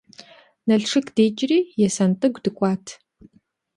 Налшык дикӏри Есэнтӏыгу дыкӏуат.